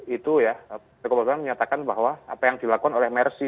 itu ya tgpb menyatakan bahwa apa yang dilakukan oleh mersi